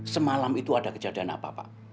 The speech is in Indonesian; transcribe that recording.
semalam itu ada kejadian apa pak